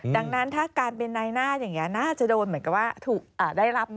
ดังนั้นถ้าการเป็นนายหน้าอย่างนี้น่าจะโดนเหมือนกับว่าถูกได้รับ